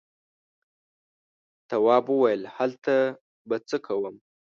تواب وويل: هلته به څه کوم.